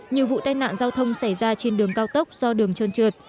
nhiều vụ tai nạn giao thông xảy ra trên đường cao tốc do đường trơn trượt